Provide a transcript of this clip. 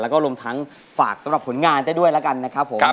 แล้วก็รวมทั้งฝากสำหรับผลงานได้ด้วยแล้วกันนะครับผม